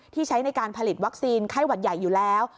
ใช้ในการผลิตวัคซีนไข้หวัดใหญ่อยู่แล้ว